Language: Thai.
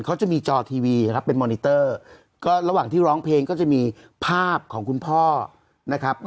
เขาจะมีจอทีวีครับเป็นมอนิเตอร์ก็ระหว่างที่ร้องเพลงก็จะมีภาพของคุณพ่อนะครับ